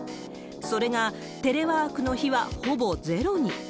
それがテレワークの日はほぼゼロに。